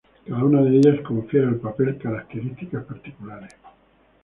Cada una de ellas confiere al papel características particulares.